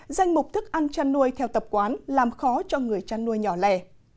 danh mục thức ăn tra nuôi theo tập quán làm khó cho người tra nuôi nhỏ lẻ